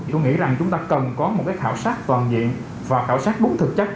tôi nghĩ rằng chúng ta cần có một cái khảo sát toàn diện và khảo sát đúng thực chất